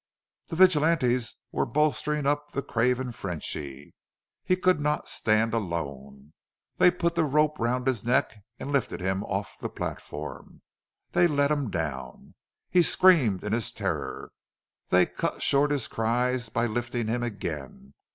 The vigilantes were bolstering up the craven Frenchy. He could not stand alone. They put the rope round his neck and lifted him off the platform then let him down. He screamed in his terror. They cut short his cries by lifting him again.